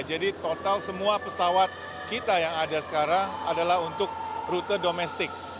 jadi total semua pesawat kita yang ada sekarang adalah untuk rute domestik